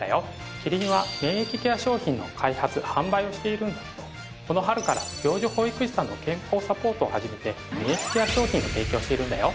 キリンは免疫ケア商品の開発販売をしているんだけどこの春から病児保育士さんの健康サポートを始めて免疫ケア商品を提供しているんだよ